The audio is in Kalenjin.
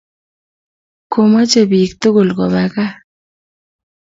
Komechi bik tugul ko ba gaa